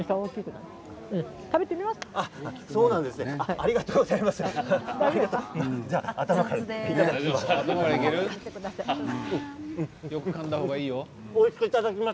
ありがとうございます。